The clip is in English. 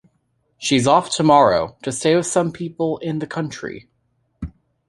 She's off tomorrow to stay with some people in the country.